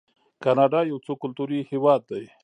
کاناډا یو څو کلتوری هیواد دی.